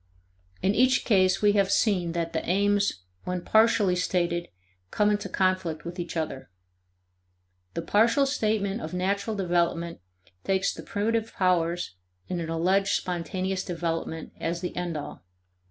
In each case we have seen that the aims when partially stated come into conflict with each other. The partial statement of natural development takes the primitive powers in an alleged spontaneous development as the end all.